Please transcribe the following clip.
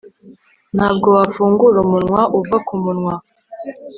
Ntabwo wafungura umunwa uva kumunwa